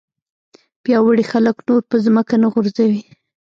پیاوړي خلک نور په ځمکه نه غورځوي.